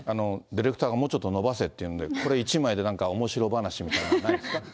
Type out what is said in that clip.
ディレクターがもうちょっと延ばせって言うんで、これ、１枚でなんか、おもしろ話みたいなのないですか？